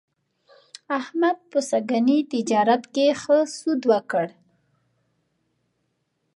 احمد په سږني تجارت کې ښه سود وکړ.